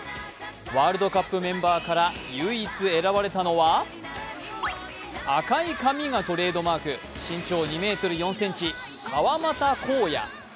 ワールドカップメンバーから唯一選ばれたのは赤い髪がトレードマーク、身長２ｍ４ｃｍ川真田紘也。